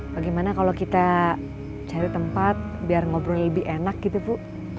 bagaimana kalau kita cari tempat biar ngobrol lebih enak gitu bu